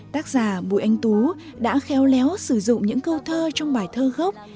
tác giả bùi anh tú đã khéo léo sử dụng những câu thơ trong bài thơ gốc